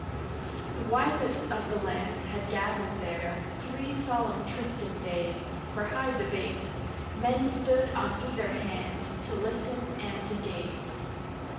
The wisest of the land Had gathered there, three solemn trysting days, For high debate: men stood on either hand To listen and to gaze.